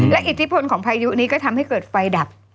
และอิทธิพลของพายุนี้ก็ทำให้เกิดไฟดับ